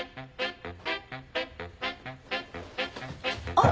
あっ。